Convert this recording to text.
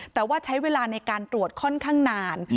แต่ว่าใช้เวลาในการตรวจค่อนข้างนาน